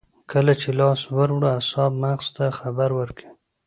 کله چې لاس ور وړو اعصاب مغز ته خبر ورکوي